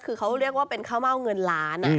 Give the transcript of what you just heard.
คือเขาเรียกว่าเป็นข้าวเม่าเงินล้าน